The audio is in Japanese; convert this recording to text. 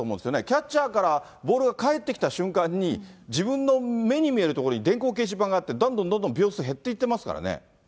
キャッチャーからボールが返ってきた瞬間に、自分の目に見える所に電光掲示板があって、どんどんどんどん秒数減っていってますからね。